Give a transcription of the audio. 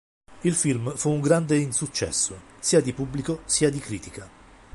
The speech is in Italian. Il film fu un grande insuccesso sia di pubblico sia di critica.